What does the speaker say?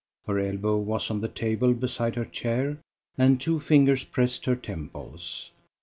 Her elbow was on the table beside her chair, and two fingers pressed her temples.